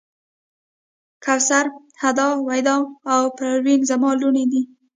کوثر، هُدا، ویدا او پروین زما لوڼې دي.